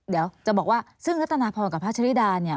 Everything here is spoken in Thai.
เดี๋ยวจะบอกว่าซึ่งรัตนาพรกับพระชริดาเนี่ย